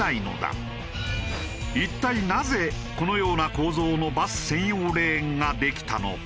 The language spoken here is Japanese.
一体なぜこのような構造のバス専用レーンができたのか？